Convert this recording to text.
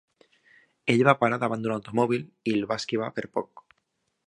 Ell va parar davant d'un automòbil i el va esquivar per poc.